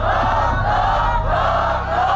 โมาส